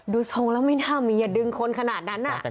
ทรงแล้วไม่น่ามีอย่าดึงคนขนาดนั้น